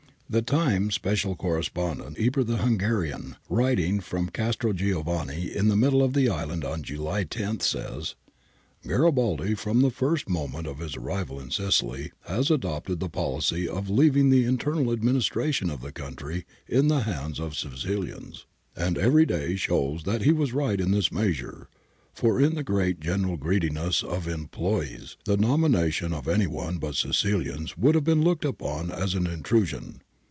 The Times special correspondent (Eber the Hungarian) writing from Castrogiovanni in the middle of the island on July 10, says {Times, July 26, p. 10, c. 2) :—' Garibaldi, from the first moment of his arrival in Sicily has adopted the policy of leaving the internal administration of the country in the hands of Sicilians, and every day shows that he was right in this measure ; for in the general greediness o\ employes the nomination of any one but Sicilians would have been looked upon as intrusion.